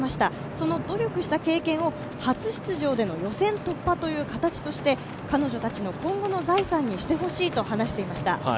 その努力した経験を初出場での予選突破という形で彼女たちの今後の財産にしてほしいと話していました。